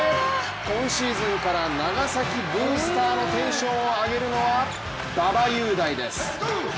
今シーズンから富山ブースターのテンションを上げるのは、馬場雄大です。